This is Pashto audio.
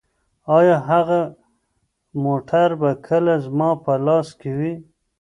ایا هغه موټر به کله زما په لاس کې وي؟